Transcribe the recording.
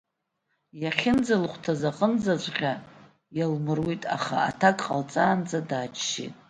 Иахьынӡалҭахыз аҟынӡаҵәҟьа иалмыруит, аха аҭак ҟалҵаанӡа дааччеит.